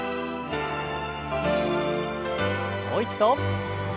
もう一度。